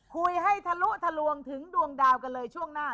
คุยให้ทะลุทะลวงถึงดวงดาวกันเลยช่วงหน้า